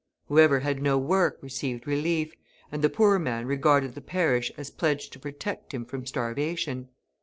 Whoever had no work received relief, and the poor man regarded the parish as pledged to protect him from starvation.